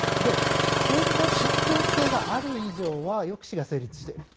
それの信ぴょう性がある以上は抑止が成立していると。